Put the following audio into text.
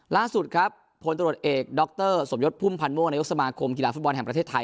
ล่าสุดครับพลตรวจเอกดรสมยศพุ่มพันธ์ม่วงนายกสมาคมกีฬาฟุตบอลแห่งประเทศไทย